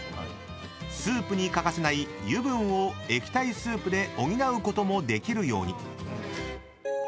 ［スープに欠かせない油分を液体スープで補うこともできるように］